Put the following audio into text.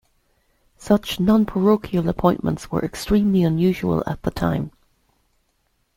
Such non-parochial appointments were extremely unusual at the time.